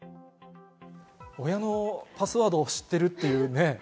親のパスワードを知ってるっていうね。